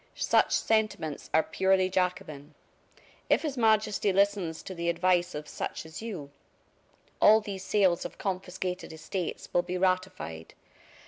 Such sentiments are purely Jacobin. If His Majesty listens to the advice of such as you, all these sales of confiscated estates will be ratified.